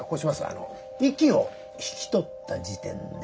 あの「息を引き取った時点で」。